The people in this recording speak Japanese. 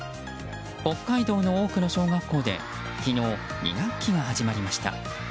北海道の多くの小学校で昨日、２学期が始まりました。